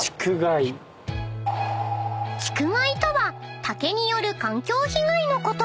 ［竹害とは竹による環境被害のこと］